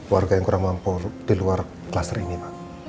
warga yang kurang mampu di luar kluster ini pak